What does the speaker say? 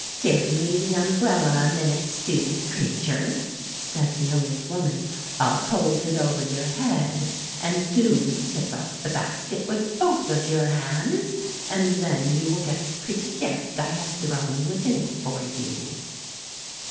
"'Give me the umbrella a minute, stupid creature,' said the old woman; 'I'll hold it over your head, and do you tip up the basket with both of your hands, and then you will get the pretty gift I have thrown within it for you.